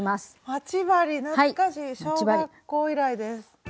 待ち針懐かしい小学校以来です。